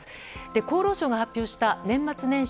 厚労省が発表した年末年始